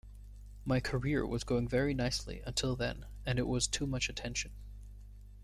My career was going very nicely until then, and it was too much attention.